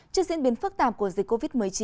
trước diễn biến phức tạp của dịch covid một mươi chín